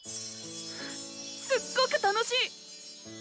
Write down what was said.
すっごく楽しい！